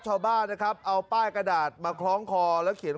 ชาวบ้านนะครับเอาป้ายกระดาษมาคล้องคอแล้วเขียน